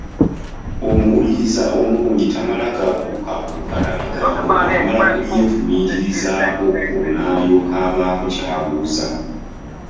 Omuwuliriza omulungi tamala gabuubuuka na bigambo, amala kubyefumiitirizaako olwo n’alyoka abaako ky’abuuza.